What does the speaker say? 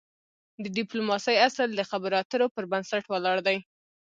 د د ډيپلوماسی اصل د خبرو اترو پر بنسټ ولاړ دی.